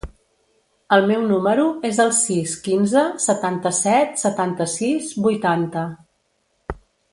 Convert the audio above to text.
El meu número es el sis, quinze, setanta-set, setanta-sis, vuitanta.